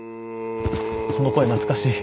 この声懐かしい。